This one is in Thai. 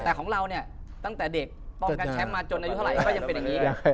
แต่ของเราเนี่ยตั้งแต่เด็กป้องกันแชมป์มาจนอายุเท่าไหร่ก็ยังเป็นอย่างนี้